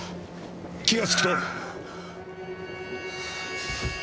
気が付くと。